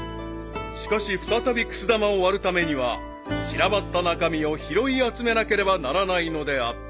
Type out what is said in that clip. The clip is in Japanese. ［しかし再びくす玉を割るためには散らばった中身を拾い集めなければならないのであった］